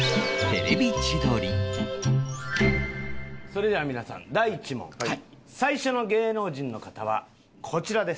それでは皆さん第１問最初の芸能人の方はこちらです。